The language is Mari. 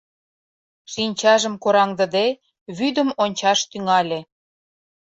шинчажым кораҥдыде, вӱдым ончаш тӱҥале.